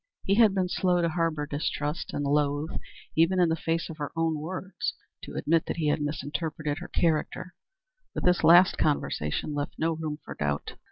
He had been slow to harbor distrust, and loath, even in the face of her own words, to admit that he had misinterpreted her character; but this last conversation left no room for doubt.